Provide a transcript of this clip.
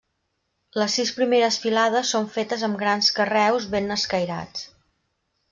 Les sis primeres filades són fetes amb grans carreus ben escairats.